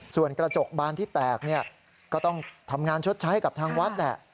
ส่วนกระจกบานที่แตกก็ต้องทำงานชดใช้กับทางวัดแหละ